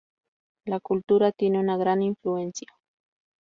La cultura tiene una gran influencia.